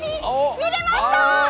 見れました！